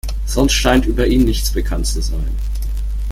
Sonst scheint über ihn nichts bekannt zu sein.